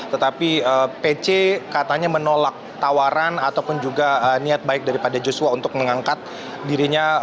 tetapi pc katanya menolak tawaran ataupun juga niat baik daripada joshua untuk mengangkat dirinya